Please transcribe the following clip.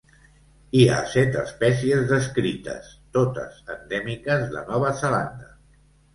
Hi ha set espècies descrites, totes endèmiques de Nova Zelanda.